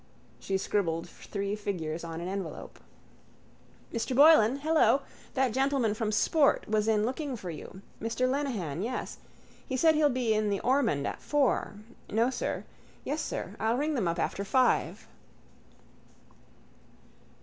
She scribbled three figures on an envelope. —Mr Boylan! Hello! That gentleman from Sport was in looking for you. Mr Lenehan, yes. He said he'll be in the Ormond at four. No, sir. Yes, sir. I'll ring them up after five.